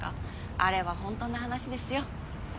あれはほんとの話ですよ。